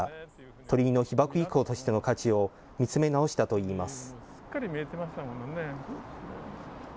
鳥居の被爆遺構としての価値を見つめ直したといいます。